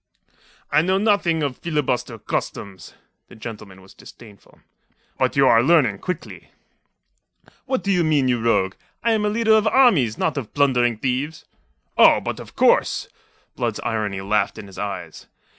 "I know nothing of filibuster customs." The gentleman was disdainful. "But you are learning quickly." "What do you mean, you rogue? I am a leader of armies, not of plundering thieves." "Oh, but of course!" Blood's irony laughed in his eyes.